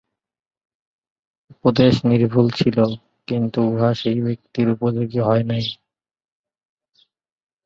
উপদেশ নির্ভুল ছিল, কিন্তু উহা সেই ব্যক্তির উপযোগী হয় নাই।